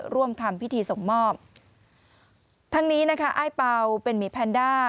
ร่วมทำพิธีส่งมอบทั้งนี้นะคะอ้ายเป่าเป็นหมีแพนด้า